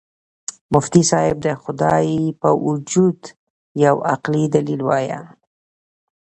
مفتي صاحب د خدای په وجود یو عقلي دلیل ووایه.